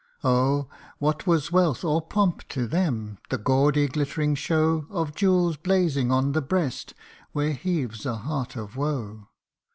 Oh ! what was wealth or pomp to them, the gaudy glitter ing show, Of jewels blazing on the breast, where heaves a heart of woe